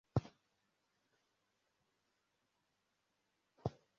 Hano harumugabo ufite igitambaro kizengurutse mumutwe